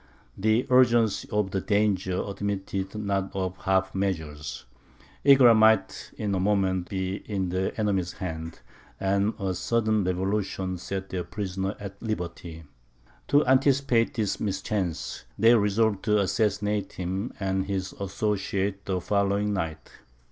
The urgency of the danger admitted not of half measures. Egra might in a moment be in the enemy's hands, and a sudden revolution set their prisoner at liberty. To anticipate this mischance, they resolved to assassinate him and his associates the following night.